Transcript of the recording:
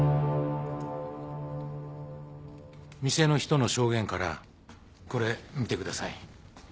店の人の証言からこれ見てください。